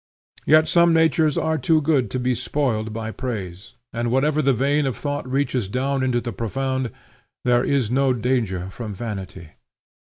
Yet some natures are too good to be spoiled by praise, and wherever the vein of thought reaches down into the profound, there is no danger from vanity.